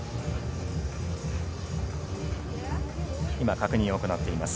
今確認を行っています。